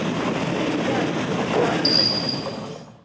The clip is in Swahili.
tumia waziri mkuu ambaye labda anaona anaweza